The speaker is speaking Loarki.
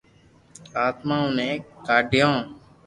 آتمائون ني ڪا ِڍیون